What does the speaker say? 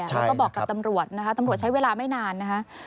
เขาก็บอกกับตำรวจนะคะตำรวจใช้เวลาไม่นานนะคะ